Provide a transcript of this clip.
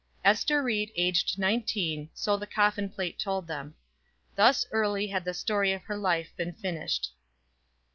"ESTER RIED, aged 19," so the coffin plate told them. Thus early had the story of her life been finished.